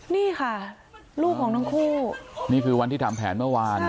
นี่ค่ะลูกของทั้งคู่นี่คือวันที่ทำแผนเมื่อวาน